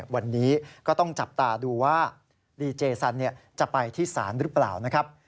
วันนี้ก็ต้องจับตาดูว่าดีเจสันจะไปที่ศาลหรือเปล่านะครับ